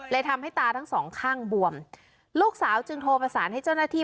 ทำให้ตาทั้งสองข้างบวมลูกสาวจึงโทรประสานให้เจ้าหน้าที่